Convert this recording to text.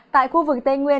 tại khu vực tây nguyên